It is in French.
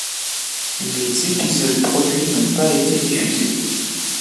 Les épisodes produits n'ont pas été diffusés.